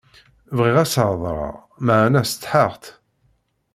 Bɣiɣ ad s-heḍṛeɣ meɛna setḥaɣ-tt.